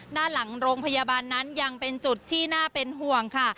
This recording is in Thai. ด้านหลังโรงพยาบาลนั้นยังเป็นจุดที่น่าเป็นห่วงค่ะ